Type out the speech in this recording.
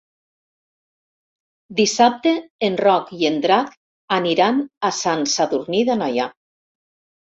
Dissabte en Roc i en Drac aniran a Sant Sadurní d'Anoia.